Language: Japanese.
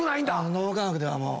脳科学ではもう。